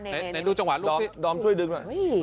เดี๋ยวดูจังหวะลูกดอมช่วยดึงหน่อย